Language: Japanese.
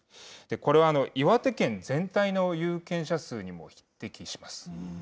これは岩手県全体の有権者数にも匹敵します。